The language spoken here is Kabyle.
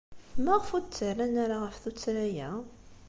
Maɣef ur d-ttarran ara ɣef tuttra-a?